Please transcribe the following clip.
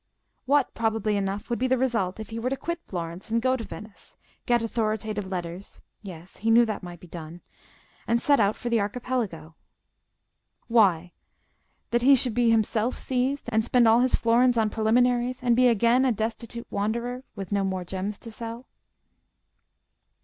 What, probably enough, would be the result if he were to quit Florence and go to Venice; get authoritative letters—yes, he knew that might be done—and set out for the Archipelago? Why, that he should be himself seized, and spend all his florins on preliminaries, and be again a destitute wanderer—with no more gems to sell.